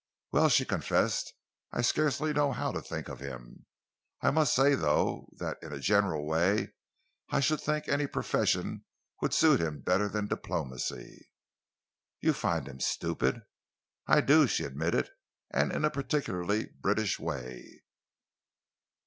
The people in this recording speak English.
"Well," she confessed, "I scarcely know how to think of him. I must say, though, that in a general way I should think any profession would suit him better than diplomacy." "You find him stupid?" "I do," she admitted, "and in a particularly British way."